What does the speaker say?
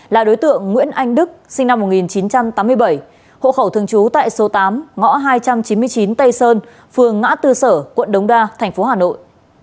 là đối tượng nguyễn anh đức sinh năm một nghìn chín trăm tám mươi bảy hộ khẩu thường trú tại số tám ngõ hai trăm chín mươi chín tây sơn phường ngã tư sở quận đống đa tp hà nội